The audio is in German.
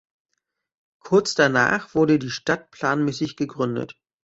Kurz danach wurde die Stadt planmäßig gegründet.